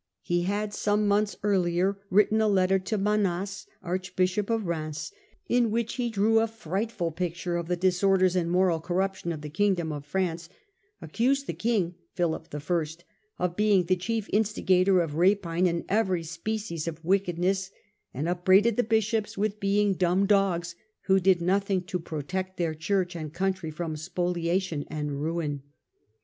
He had, some months earlier, written a letter to Manasse, archbishop of Reims, ir* which he drew a Resistance frigbtful picturo of the disorders and moral ^ttfority corruption of the kingdom of France, accused to Prance jjJjq king, Philip I., of being the chief instigator Germany Qf rapine and every species of wickedness, and upbraided the bishops with being d umb dogs, who did nothing to protect their Church and country from spolia tion and ruin.